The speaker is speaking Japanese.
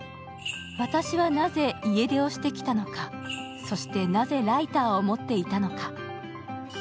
私はなぜ家出をしてきたのか、そして、なぜライターを持っていたのか。